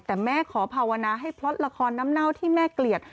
แต่แม่ขอภาวนาให้พล็อตละครน้ำเน่าที่แม่เกลียด